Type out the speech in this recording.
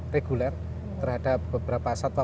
reguler terhadap beberapa satwa